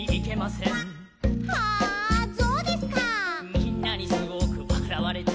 「みんなにすごくわらわれた」